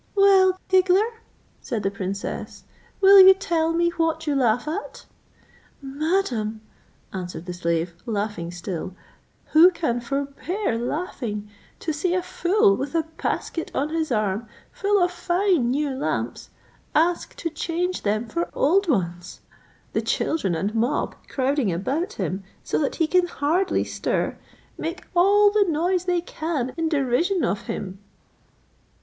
"Well, giggler," said the princess, "will you tell me what you laugh at?" "Madam," answered the slave, laughing still, "who can forbear laughing, to see a fool with a basket on his arm, full of fine new lamps, ask to change them for old ones; the children and mob, crowding about him so that he can hardly stir, make all the noise they can in derision of him."